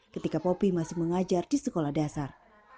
ketika popi masih mengajar di sekolah dasar